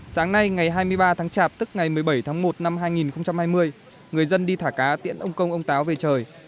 sáng nay ngày hai mươi ba tháng chạp tức ngày một mươi bảy tháng một năm hai nghìn hai mươi người dân đi thả cá tiễn ông công ông táo về trời